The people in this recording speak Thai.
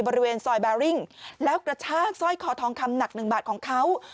บริเวณซอยแบริ่งแล้วกระชากสร้อยคอทองคำหนักหนึ่งบาทของเขา